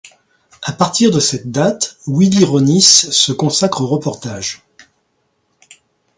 À partir de cette date, Willy Ronis se consacre au reportage.